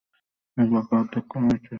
আর বাকি অর্ধেক রয়েছে কানাডীয় অংশে।